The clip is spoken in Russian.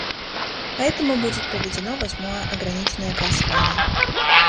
Поэтому будет проведено восьмое ограниченное голосование.